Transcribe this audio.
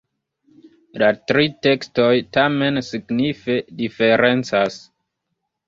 La tri tekstoj tamen signife diferencas.